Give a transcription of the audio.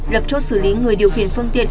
lập chốt xử lý người điều khiển phương tiện